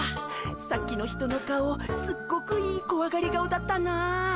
さっきの人の顔すっごくいいこわがり顔だったなあ。